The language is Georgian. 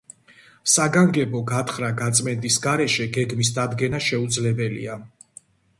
საგანგებო გათხრა-გაწმენდის გარეშე გეგმის დადგენა შეუძლებელია.